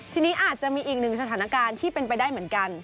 ทีนี้อาจจะมีอีกหนึ่งสถานการณ์ที่เป็นไปได้เหมือนกัน